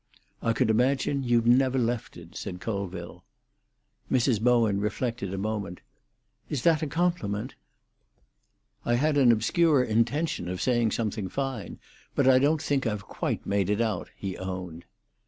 "I could imagine you'd never left it," said Colville. Mrs. Bowen reflected a moment. "Is that a compliment?" "I had an obscure intention of saying something fine; but I don't think I've quite made it out," he owned.